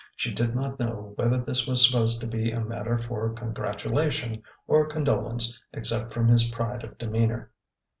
She did not know whe ther this was supposed to be matter for congratulation or condolence except from his pride of demeanor.